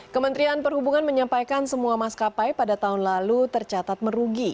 kementerian perhubungan menyampaikan semua maskapai pada tahun lalu tercatat merugi